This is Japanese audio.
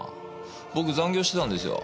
僕残業してたんですよ。